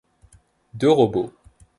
Deux robots.